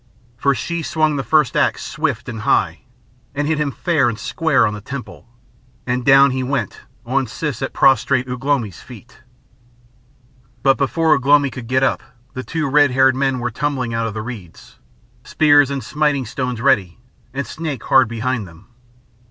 For she swung the first axe swift and high, and hit him fair and square on the temple; and down he went on Siss at prostrate Ugh lomi's feet. But before Ugh lomi could get up, the two red haired men were tumbling out of the reeds, spears and smiting stones ready, and Snake hard behind them.